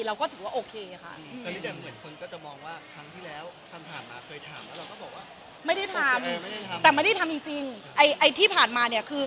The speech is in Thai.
สงสัยเลยสมัยดูก็ไม่ได้เลย